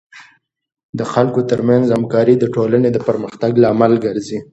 د خلکو ترمنځ همکاري د ټولنې د پرمختګ لامل ګرځي.